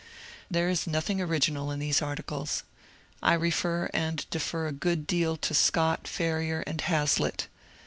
There is nothing original in these articles. I refer and defer a good deal to Scott, Ferriar, and Hazlitt.